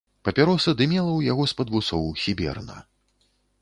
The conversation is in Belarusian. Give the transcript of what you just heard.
Папяроса дымела ў яго з-пад вусоў сіберна.